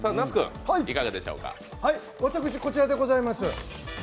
私、こちらでございます。